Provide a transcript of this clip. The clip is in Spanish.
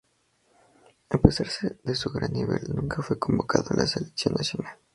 A pesar de su gran nivel, nunca fue convocado a la selección nacional.